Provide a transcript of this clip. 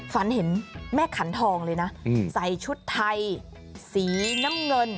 ฝันเห็นแม่ขันทองเลยนะใส่ชุดไทยสีน้ำเงิน